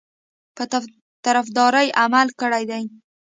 په طرفداري عمل کړی دی.